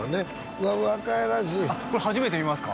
うわかわいらしいこれ初めて見ますか？